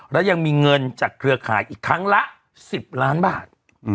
และยังมีเงินจากเครือข่ายอีกครั้งละ๑๐ล้านบาท